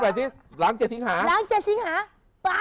ตามดวงนะหลังจากเจ็ดสิงหามา